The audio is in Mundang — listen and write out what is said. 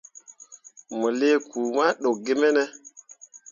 Mo lii kpu ma ɗokki ge mene ?